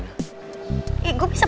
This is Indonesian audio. tanta schedule jadi pujian